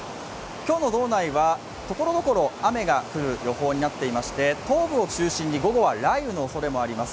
今日の道内は、ところどころ雨が降る予報になっていまして、東部を中心に夜は雷雨のおそれもあります。